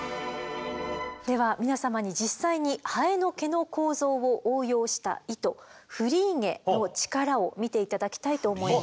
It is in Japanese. では皆様に実際にハエの毛の構造を応用した糸フリーゲの力を見て頂きたいと思います。